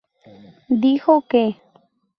Dijo que.